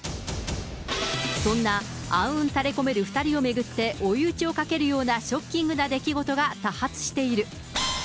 そんな暗雲垂れこめる２人を巡って追い打ちをかけるようなショッキングな出来事が多発している。